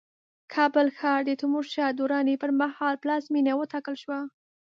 کابل ښار د تیمورشاه دراني پرمهال پلازمينه وټاکل شوه